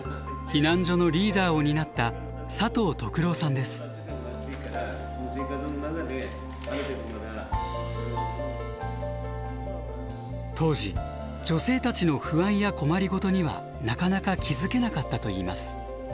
避難所のリーダーを担った当時女性たちの不安や困り事にはなかなか気付けなかったといいます。